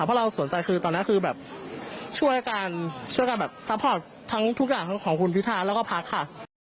เพราะเราสนใจคือตอนนั้นคือแบบช่วยกันช่วยกันแบบซัพพอร์ตทั้งทุกอย่างทั้งของคุณพิทาแล้วก็พักค่ะ